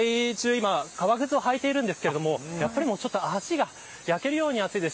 今、革靴を履いてるんですけどやはり足が焼けるように暑いです。